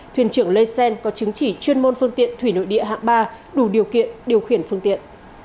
thuyền trưởng lê xen có chứng chỉ chuyên môn phương tiện thủy nội địa hạng ba đủ điều kiện điều khiển phương tiện